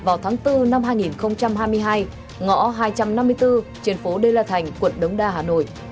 vào tháng bốn năm hai nghìn hai mươi hai ngõ hai trăm năm mươi bốn trên phố đê la thành quận đống đa hà nội